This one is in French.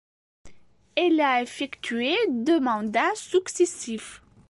Elle a effectué deux mandats successifs.